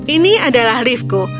ini adalah liftku